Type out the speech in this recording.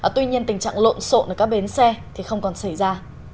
tuy nhiên tình trạng lộn xộn ở các bến xe thì không còn xảy ra